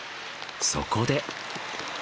そこで。